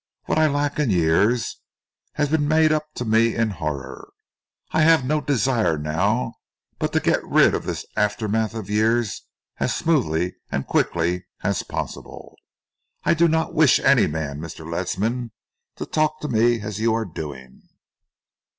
What I lack in years has been made up to me in horror. I have no desire now but to get rid of this aftermath of years as smoothly and quickly as possible. I do not wish any man, Mr. Ledsam, to talk to me as you are doing."